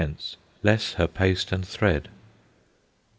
less her paste and thread.